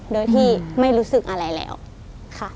โดยที่ไม่รู้สึกอะไรแล้วค่ะ